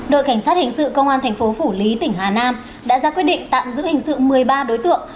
đội cảnh sát hình sự công an thành phố phủ lý tỉnh hà nam đã ra quyết định tạm giữ hình sự một mươi ba đối tượng